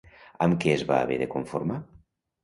Amb què es va haver de conformar?